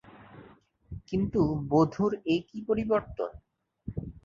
কিন্তু বধূর এ কী পরিবর্তন।